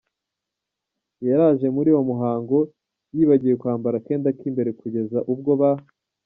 yaraje muri uyu muhango yibagiwe kwambara akenda kimbere kugeza ubwo ba.